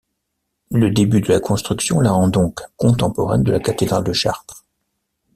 Le début de la construction la rend donc contemporaine de la cathédrale de Chartres.